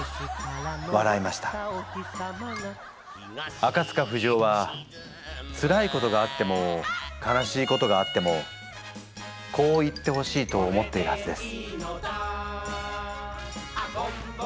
あかつかふじおはつらいことがあっても悲しいことがあってもこう言ってほしいと思っているはずです。